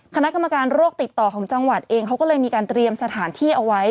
คณะกรรมการโรคติดต่อของจังหวัดเองเขาก็เลยมีการเตรียมสถานที่เอาไว้